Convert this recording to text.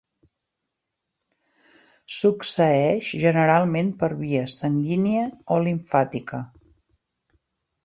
Succeeix generalment per via sanguínia o limfàtica.